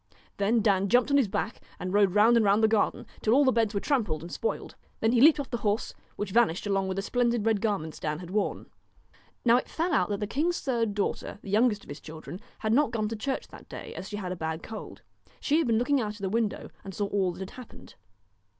Then Dan jumped on his back and rode round and round the garden, till all the beds were trampled and spoiled. Then he leaped off the horse, which vanished along with the splendid red garments Dan had worn. Now it fell out that the king's third daughter, the youngest of his children, had not gone to church that day, as she had a bad cold. She had been looking out of the window, and saw all that had happened.